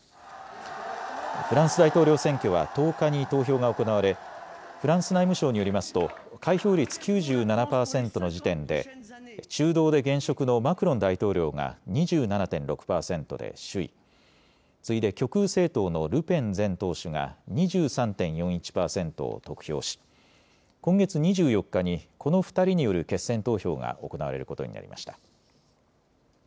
フランス大統領選挙は１０日に投票が行われフランス内務省によりますと開票率９７％の時点で中道で現職のマクロン大統領が２７．６％で首位、次いで極右政党のルペン前党首が２３．４１％を得票し今月２４日に、この２人による決選投票が行われることになりました。